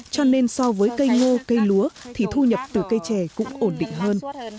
cho nên so với cây ngô cây lúa thì thu nhập từ cây trè cũng ổn định hơn